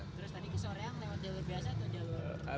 terus tadi ke soroyang lewat jalur biasa atau jalur